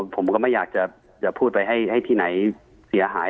ผมก็ไม่อยากจะพูดไปให้ที่ไหนเสียหาย